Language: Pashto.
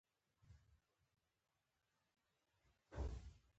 په هندوستان کې دی.